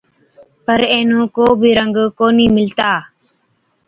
پَر اينهُون ڪو بِي رنگ ڪونهِي مِلتا۔